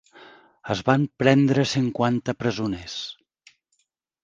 Es van prendre cinquanta presoners.